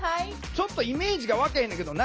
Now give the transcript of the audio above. ちょっとイメージが湧けへんねんけど何？